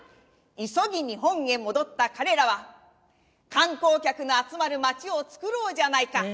急ぎ日本へ戻った彼らは「観光客が集まる街をつくろうじゃないか」